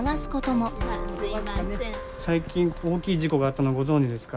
最近大きい事故があったのご存じですか？